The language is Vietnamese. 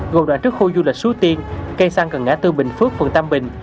gồm đoạn trước khu du lịch suối tiên cây xăng gần ngã tư bình phước phường tam bình